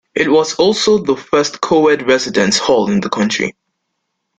It was also the first co-ed residence hall in the country.